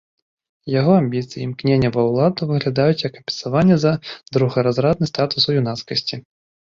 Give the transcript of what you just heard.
Яго амбіцыі і імкненне ва ўладу выглядаюць як кампенсаванне за другаразрадны статус у юнацкасці.